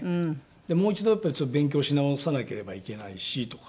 でもう一度やっぱり勉強し直さなければいけないしとか。